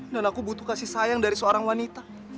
dan aku butuh kasih sayang dari seorang wanita